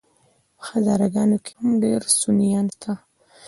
په هزاره ګانو کي هم ډير سُنيان شته